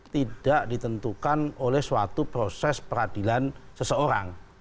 tidak ditentukan oleh suatu proses peradilan seseorang